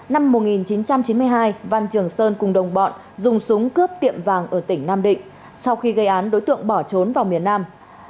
năm một nghìn chín trăm chín mươi hai văn trường sơn cùng đồng bọn dùng súng cướp tiệm vàng ở tỉnh nam định sau khi gây án đối tượng bỏ trốn vào miền nam